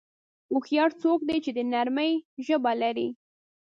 هوښیار څوک دی چې د نرمۍ ژبه لري.